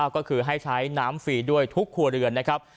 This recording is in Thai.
ก็คือให้ใช้น้ำฟรีด้วยทุกครัวเรือนนะครับ